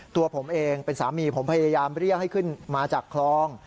ตัวผมเองเป็นสามีผมพยายามเรียกให้ขึ้นมาจากคลอง